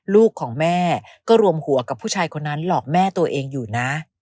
ลูกของแม่ก็รวมหัวกับผู้ชายคนนั้นหลอกแม่ตัวเองอยู่นะ